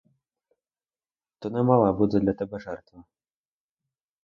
То не мала буде для тебе жертва.